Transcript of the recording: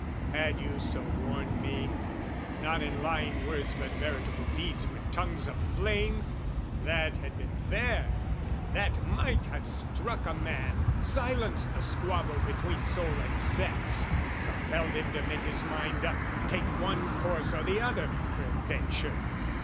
Had you so warned me, not in lying words But veritable deeds with tongues of flame, That had been fair, that might have struck a man, Silenced the squabble between soul and sense, Compelled him make his mind up, take one course Or the other, peradventure!